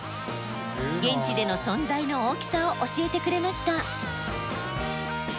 現地での存在の大きさを教えてくれました。